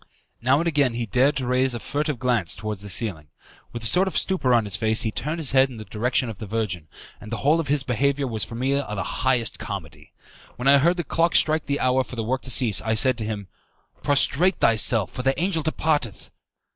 Now and again he dared to raise a furtive glance towards the ceiling. With a sort of stupor on his face, he turned his head in the direction of the Virgin, and the whole of his behaviour was for me the highest comedy. When I heard the clock strike the hour for the work to cease, I said to him, "Prostrate thyself, for the angel departeth."